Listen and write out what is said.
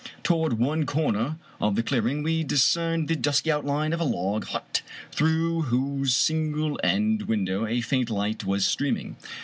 Toward one comer of the clear ing we discerned the dusky outline of a log hut, through whose single end window a faint light was streaming.